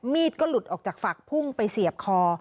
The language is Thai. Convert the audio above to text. ก็หลุดออกจากฝักพุ่งไปเสียบคอ